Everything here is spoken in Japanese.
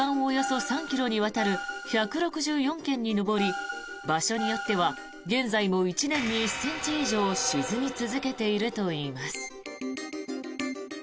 およそ３ｋｍにわたる１６４軒に上り場所によっては現在も１年に１ｃｍ以上沈み続けているといいます。